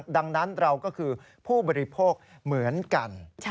ดังนั้นเราก็คือผู้บริโภคเหมือนกัน